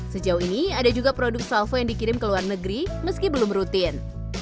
sejauh ini ada juga produk salvo yang dikirim ke luar negeri meski belum rutin